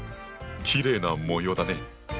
きれいな模様だね。